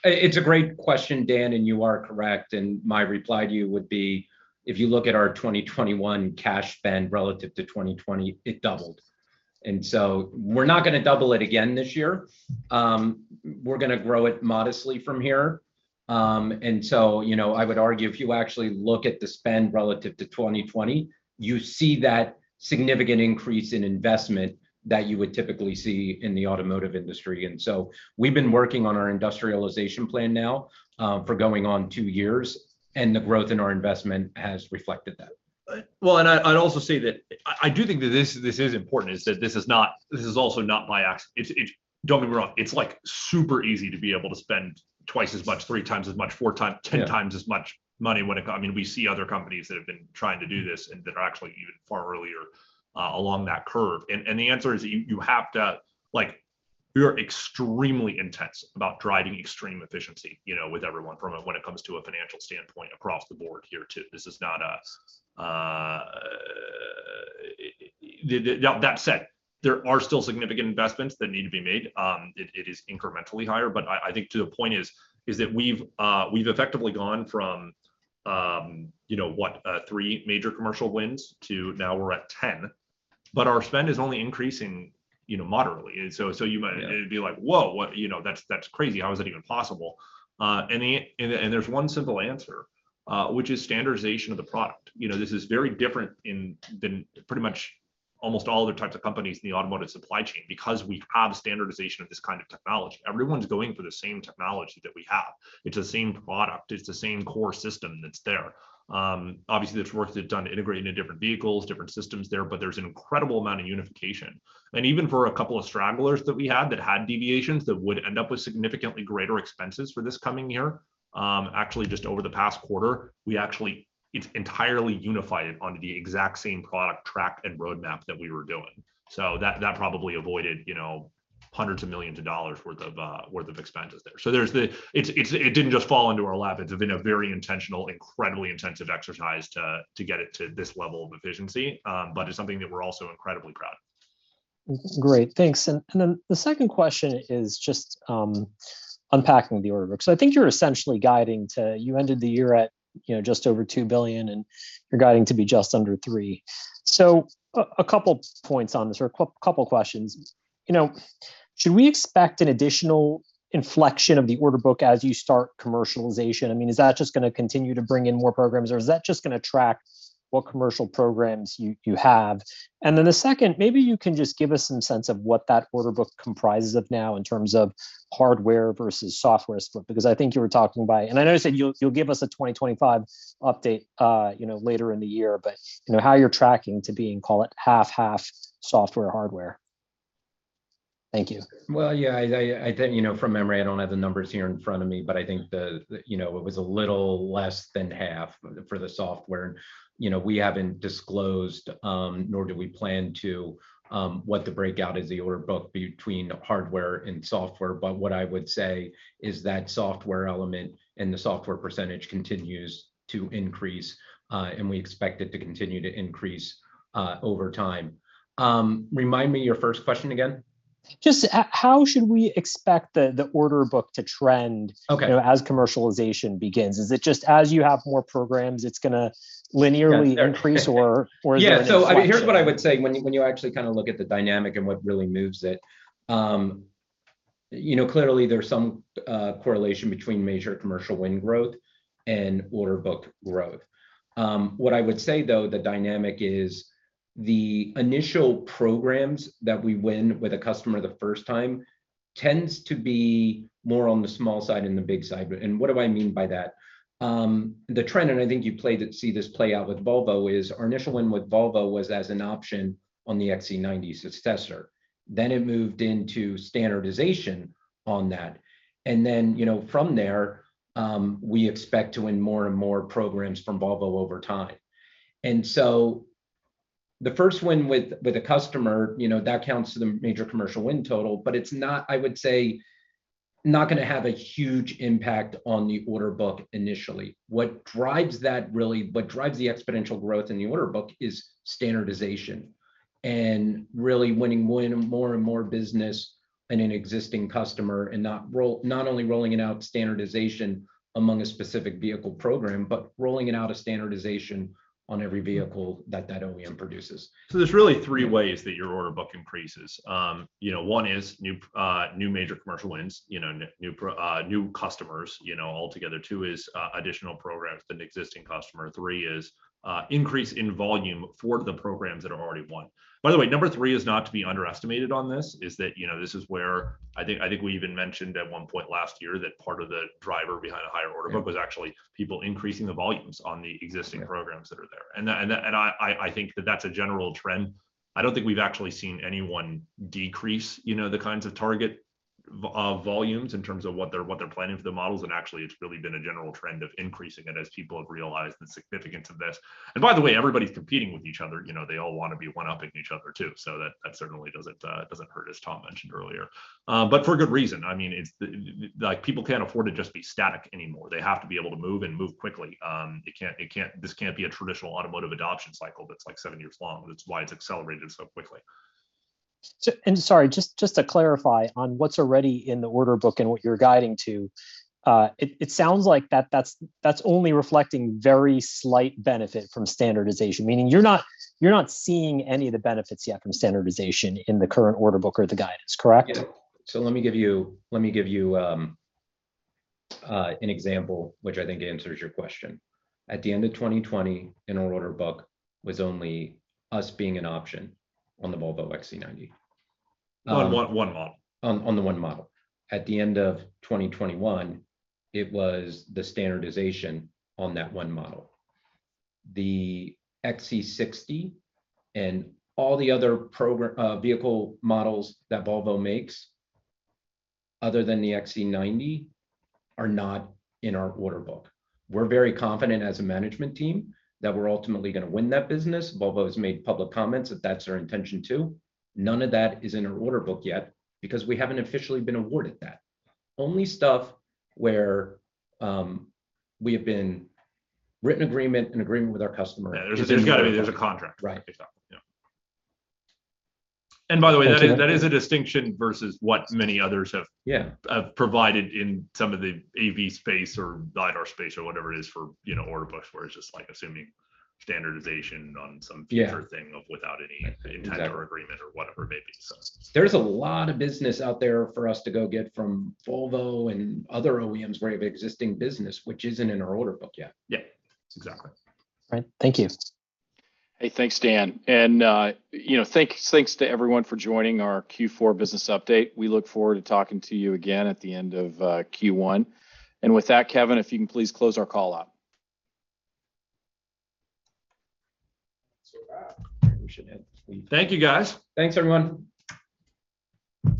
Speaker 3: I mean, it's a great question, Dan, and you are correct. My reply to you would be, if you look at our 2021 cash spend relative to 2020, it doubled. We're not gonna double it again this year. We're gonna grow it modestly from here. You know, I would argue if you actually look at the spend relative to 2020, you see that significant increase in investment that you would typically see in the automotive industry. We've been working on our industrialization plan now, for going on two years, and the growth in our investment has reflected that.
Speaker 2: Well, I'd also say that I do think that this is important, that this is also not. Don't get me wrong, it's like super easy to be able to spend twice as much, three times as much, four times, 10x as much.
Speaker 3: Yeah
Speaker 2: I mean, we see other companies that have been trying to do this and that are actually even far earlier along that curve. The answer is you have to, like, we are extremely intense about driving extreme efficiency, you know, with everyone from a, when it comes to a financial standpoint across the board here too. This is not us. Now that said, there are still significant investments that need to be made. It is incrementally higher, but I think to the point is that we've effectively gone from, you know what, three major commercial wins to now we're at 10. Our spend is only increasing, you know, moderately. You might-
Speaker 3: Yeah
Speaker 2: It'd be like, "Whoa, what, you know, that's crazy. How is that even possible?" And there's one simple answer, which is standardization of the product. You know, this is very different than pretty much almost all other types of companies in the automotive supply chain because we have standardization of this kind of technology. Everyone's going for the same technology that we have. It's the same product. It's the same core system that's there. Obviously, there's work to be done integrating the different vehicles, different systems there, but there's an incredible amount of unification. Even for a couple of stragglers that we had that had deviations that would end up with significantly greater expenses for this coming year, actually just over the past quarter, we actually It's entirely unified it onto the exact same product track and roadmap that we were doing. That probably avoided, you know, hundreds of millions of dollars worth of expenses there. It didn't just fall into our lap. It's been a very intentional, incredibly intensive exercise to get it to this level of efficiency. It's something that we're also incredibly proud of.
Speaker 13: Great. Thanks. The second question is just unpacking the order book. I think you're essentially guiding to, you ended the year at, you know, just over $2 billion and you're guiding to be just under $3 billion. A couple points on this or a couple questions. You know, should we expect an additional inflection of the order book as you start commercialization? I mean, is that just gonna continue to bring in more programs, or is that just gonna track what commercial programs you have? The second, maybe you can just give us some sense of what that order book comprises of now in terms of hardware versus software split, because I think you were talking by. I know you said you'll give us a 2025 update, you know, later in the year, but, you know, how you're tracking to being, call it, half/half software hardware. Thank you.
Speaker 3: Well, yeah, I think, you know, from memory, I don't have the numbers here in front of me, but I think, you know, it was a little less than half for the software. You know, we haven't disclosed, nor do we plan to, what the breakout is, the order book between hardware and software. What I would say is that software element and the software percentage continues to increase, and we expect it to continue to increase, over time. Remind me your first question again.
Speaker 13: How should we expect the order book to trend-
Speaker 3: Okay
Speaker 13: you know, as commercialization begins? Is it just as you have more programs, it's gonna linearly
Speaker 3: Yes. Fair.
Speaker 13: increase or is there an inflection?
Speaker 3: Yeah. I mean, here's what I would say when you actually kind of look at the dynamic and what really moves it. You know, clearly there's some correlation between major commercial win growth and order book growth. What I would say though, the dynamic is the initial programs that we win with a customer the first time. Tends to be more on the small side than the big side. What do I mean by that? The trend, and I think you played it, see this play out with Volvo, is our initial win with Volvo was as an option on the XC90 successor. Then it moved into standardization on that. You know, from there, we expect to win more and more programs from Volvo over time. The first win with a customer, you know, that counts to the major commercial win total. It's not, I would say, not gonna have a huge impact on the order book initially. What drives that, really, what drives the exponential growth in the order book is standardization and really winning and more and more business in an existing customer, and not only rolling it out, standardization among a specific vehicle program, but rolling it out, a standardization on every vehicle that OEM produces.
Speaker 2: There's really three ways that your order book increases. You know, one is new major commercial wins, you know, new customers, you know, altogether. Two is additional programs with an existing customer. Three is increase in volume for the programs that are already won. By the way, number three is not to be underestimated on this, is that, you know, this is where I think we even mentioned at one point last year that part of the driver behind a higher order book was actually people increasing the volumes on the existing programs that are there. I think that that's a general trend. I don't think we've actually seen anyone decrease, you know, the kinds of target volumes in terms of what they're planning for the models. Actually it's really been a general trend of increasing it as people have realized the significance of this. By the way, everybody's competing with each other. You know, they all want to be one-upping each other too, so that certainly doesn't hurt, as Tom mentioned earlier. But for good reason. I mean, it's like, people can't afford to just be static anymore. They have to be able to move and move quickly. It can't, this can't be a traditional automotive adoption cycle that's like seven years long. That's why it's accelerated so quickly.
Speaker 13: Sorry, just to clarify on what's already in the order book and what you're guiding to, it sounds like that's only reflecting very slight benefit from standardization. Meaning you're not seeing any of the benefits yet from standardization in the current order book or the guidance, correct?
Speaker 3: Yeah. Let me give you an example, which I think answers your question. At the end of 2020, in our order book was only us being an option on the Volvo XC90.
Speaker 2: One model.
Speaker 3: On one mode. At the end of 2021, it was the standardization on that one model. The XC60 and all the other vehicle models that Volvo makes other than the XC90 are not in our order book. We're very confident as a management team that we're ultimately gonna win that business. Volvo has made public comments that that's their intention too. None of that is in our order book yet because we haven't officially been awarded that. Only stuff where we have a written agreement with our customer.
Speaker 2: Yeah, there's gotta be a contract.
Speaker 3: Right
Speaker 2: Basically. Yeah. And by the way, that is, that is a distinction versus what many others have.
Speaker 3: Yeah
Speaker 2: Have provided in some of the AV space or LiDAR space or whatever it is for, you know, order books where it's just, like, assuming standardization on some
Speaker 3: Yeah
Speaker 2: future thing of without any
Speaker 3: Exactly
Speaker 2: intent or agreement or whatever it may be.
Speaker 3: There's a lot of business out there for us to go get from Volvo and other OEMs where we have existing business which isn't in our order book yet.
Speaker 2: Yeah. Exactly.
Speaker 13: All right. Thank you.
Speaker 1: Hey, thanks Dan. Thanks to everyone for joining our Q4 business update. We look forward to talking to you again at the end of Q1. With that, Kevin, if you can please close our call out.
Speaker 2: Thank you guys.
Speaker 3: Thanks everyone.